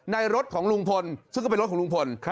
ในรถของลุงพลซึ่งก็เป็นรถของลุงพล